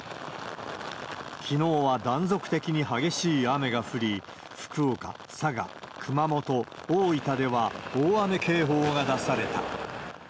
きのうは断続的に激しい雨が降り、福岡、佐賀、熊本、大分では、大雨警報が出された。